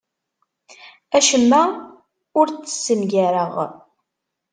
Acemma ur t-ssengareɣ.